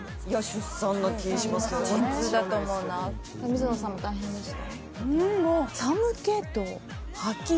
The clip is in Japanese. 水野さんも大変でした？